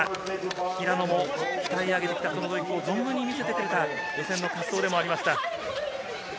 平野も鍛え上げてきた技を存分に見せてくれた予選の滑走でありました。